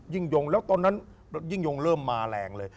ยงแล้วตอนนั้นยิ่งยงเริ่มมาแรงเลย